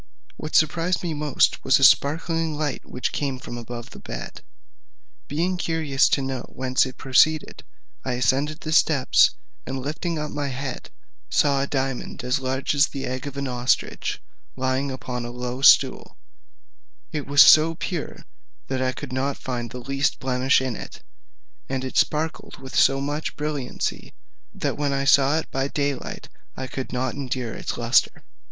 What surprised me most was a sparkling light which came from above the bed. Being curious to know whence it proceeded, I ascended the steps, and lifting up my head, saw a diamond as large as the egg of an ostrich, lying upon a low stool; it was so pure, that I could not find the least blemish in it, and it sparkled with so much brilliancy, that when I saw it by day light I could not endure its lustre.